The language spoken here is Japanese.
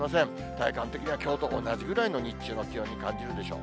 体感的にはきょうと同じくらいの日中の気温に感じるでしょう。